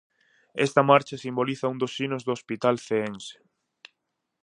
Esta marcha simboliza un dos sinos do hospital ceense.